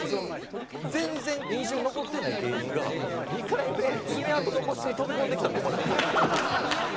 全然印象に残ってない芸人が２回目爪痕残しに飛び込んできたって思われたんです。